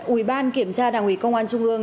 ủy ban kiểm tra đảng ủy công an trung ương